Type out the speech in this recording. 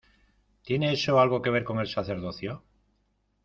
¿ tiene eso algo que ver con el sacerdocio?